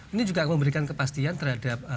ini juga akan memberikan kepastian terhadap